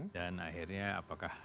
dan akhirnya apakah